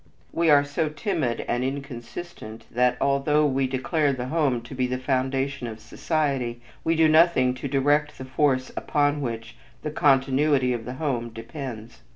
We are so timid and inconsistent that although we declare the home to be the foundation of society, we do nothing to direct the force upon which the continuity of the home depends.